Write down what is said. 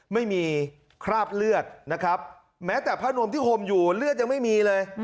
ไม่มีคราบเลือดนะครับแม้แต่ผ้านมที่ห่มอยู่เลือดยังไม่มีเลย